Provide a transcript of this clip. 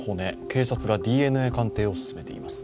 警察がＤＮＡ鑑定を進めています。